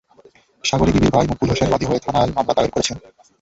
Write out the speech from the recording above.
সাগরী বিবির ভাই মকবুল হোসেন বাদী হয়ে থানায় মামলা দায়ের করেছেন।